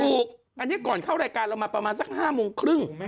ถูกอันนี้ก่อนเข้ารายการเรามาประมาณสัก๕โมงครึ่ง